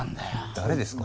誰ですか？